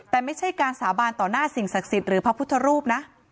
แต่ไม่ใช่การสาบานต่อหน้าสิ่งศักดิ์สิทธิ์หรือพระพุทธรูปนะ